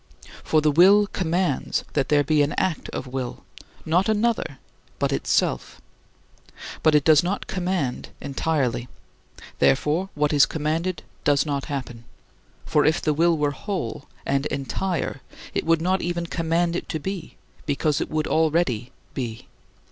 For the will commands that there be an act of will not another, but itself. But it does not command entirely. Therefore, what is commanded does not happen; for if the will were whole and entire, it would not even command it to be, because it would already be.